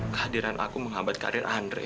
kehadiran aku menghambat karir andre